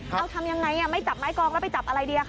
เอาทำยังไงไม่จับไม้กองแล้วไปจับอะไรดีคะ